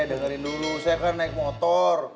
saya dengerin dulu saya kan naik motor